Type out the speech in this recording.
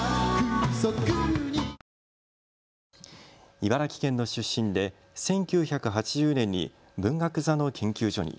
茨城県の出身で１９８０年に文学座の研究所に。